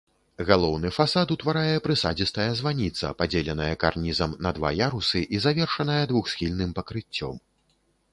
Галоўны фасад утварае прысадзістая званіца, падзеленая карнізам на два ярусы і завершаная двухсхільным пакрыццём.